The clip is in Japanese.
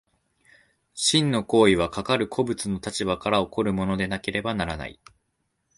真の当為はかかる個物の立場から起こるものでなければならない。